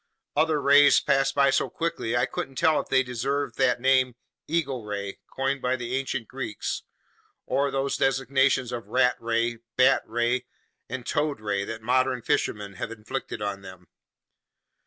Other rays passed by so quickly I couldn't tell if they deserved that name "eagle ray" coined by the ancient Greeks, or those designations of "rat ray," "bat ray," and "toad ray" that modern fishermen have inflicted on them.